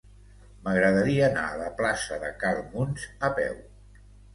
M'agradaria anar a la plaça de Cal Muns a peu.